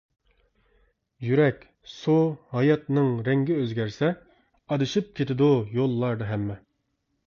يۈرەك سۇ ھاياتنىڭ رەڭگى ئۆزگەرسە، ئادىشىپ كېتىدۇ يوللاردا ھەممە.